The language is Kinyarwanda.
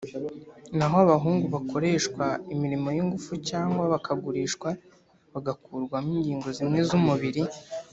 naho abahungu bakoreshwa imirimo y’ingufu cyangwa bakagurishwa bagakurwamo ingingo zimwe z’umubiri